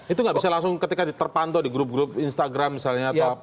itu nggak bisa langsung ketika terpantau di grup grup instagram misalnya atau apa